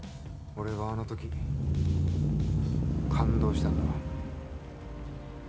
俺はあのとき感動したんだ